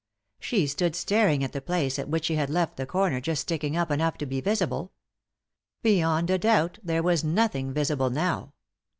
She stood staring at the place at which she had left the comer just sticking up enough to be visible. Beyond a doubt there was nothing visible now.